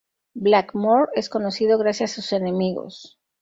Blackmore es conocido gracias a sus enemigos.